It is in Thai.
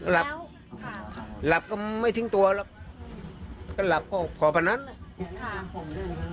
หลับหลับก็ไม่ทิ้งตัวหรอกก็หลับก็ขอพนัน